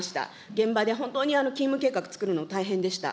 現場で本当に勤務計画作るの大変でした。